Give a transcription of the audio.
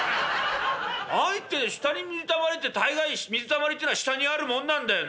何言ってん下に水たまりって大概水たまりってのは下にあるもんなんだよね。